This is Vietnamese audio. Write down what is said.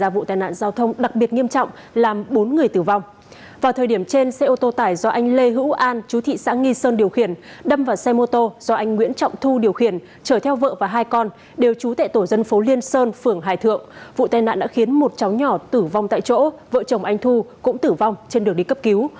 vụ tai nạn đã khiến một cháu nhỏ tử vong tại chỗ vợ chồng anh thu cũng tử vong trên đường đi cấp cứu